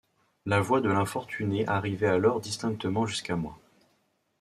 La voix de l’infortunée arrivait alors distinctement jusqu’à moi.